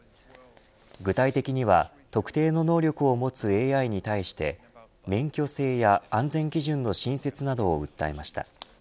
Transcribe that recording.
具体的には特定の能力を持つＡＩに対して免許制や安全基準の新設などを訴えました。